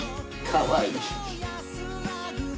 かわいい！